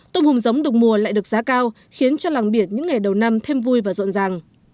tôm hùm giống đục mùa lại được giá cao khiến cho làng biển những ngày đầu năm thêm vui và rộn ràng